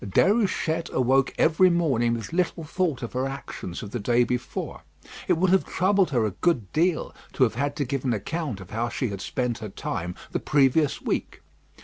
Déruchette awoke every morning with little thought of her actions of the day before. It would have troubled her a good deal to have had to give an account of how she had spent her time the previous week.